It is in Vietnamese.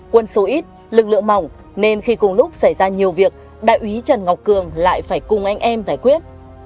quân số ít lực lượng mỏng nên khi cùng lúc xảy ra nhiều việc đại úy trần ngọc cường lại phải cùng anh em giải quyết